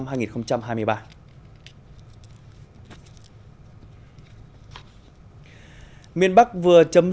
miền bắc vừa chấm dứt đợt nồm ẩm kéo dài và chuyển nắng dự kiến là chuẩn bị đón đợt không khí lạnh nhẹ